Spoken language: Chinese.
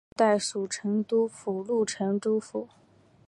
宋代属成都府路成都府。